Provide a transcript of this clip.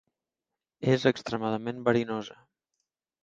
És extremadament verinosa.